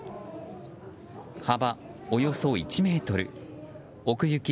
幅およそ１ｍ奥行き